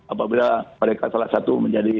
apabila mereka salah satu menjadi